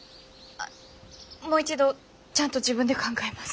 もう一度ちゃんと自分で考えます。